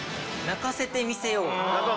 鳴かせてみせよう。